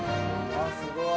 あっすごい。